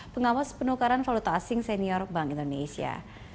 pengawas penukaran valuta asing senior bank indonesia